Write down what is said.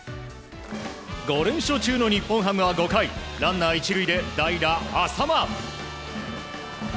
５連勝中の日本ハムは５回ランナー１塁で代打、淺間。